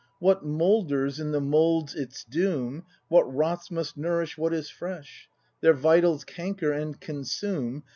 What moulders, in the mould's its doom. What rots must nourish what is fresh; Their vitals canker and consume.